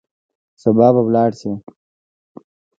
سبا به ولاړ سئ.